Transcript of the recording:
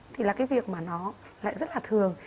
thì là cái việc mà nó lại rất là thường